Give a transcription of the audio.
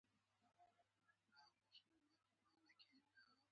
پوښتنه یې وکړه چېرته ځم.